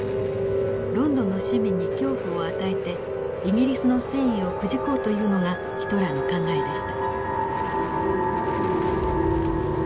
ロンドンの市民に恐怖を与えてイギリスの戦意をくじこうというのがヒトラーの考えでした。